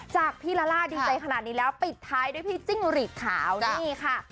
จากพี่ลาล่าดีใจขนาดนี้แล้วปิดท้ายด้วยพี่จิ้งหลีดขาวนี่ค่ะ